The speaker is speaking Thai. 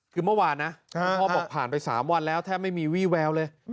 คือเมื่อวานนะคุณพ่อบอกผ่านไป๓วันแล้วแทบไม่มีวี่แววเลย